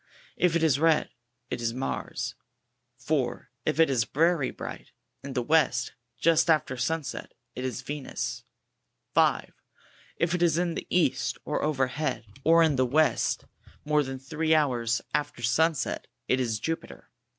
If it is red, it is MARS. 4. If it is very bright, in the west, just after sunset, it is VEXUS. 5. If it is in the east, or overhead, or in the west more than three hours after sunset, it is JUPITER.